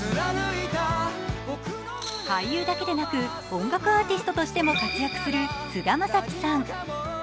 俳優だけでなく音楽アーティストとしても活躍する菅田将暉さん。